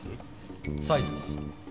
サイズは？